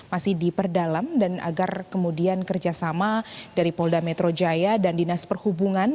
masih diperdalam dan agar kemudian kerjasama dari polda metro jaya dan dinas perhubungan